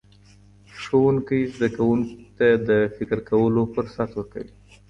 ښوونکی زدهکوونکي ته د فکر کولو فرصت ورکوي.